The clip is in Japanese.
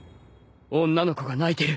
女の子が泣いてる。